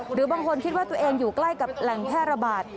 หรือบางคนคิดว่าตัวเองอยู่ใกล้กับแหล่งแพร่ระบาด